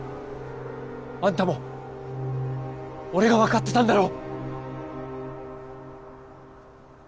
あんたも俺が分かってたんだろ？